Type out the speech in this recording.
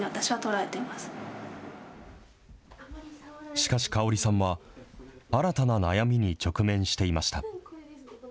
しかし、香織さんは、新たな悩みに直面していました。